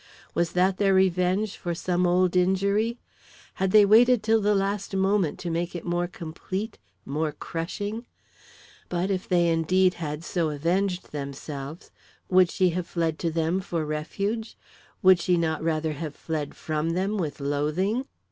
Was that their revenge for some old injury? Had they waited till the last moment to make it more complete, more crushing? But if they, indeed, had so avenged themselves, would she have fled to them for refuge? Would she not rather have fled from them with loathing?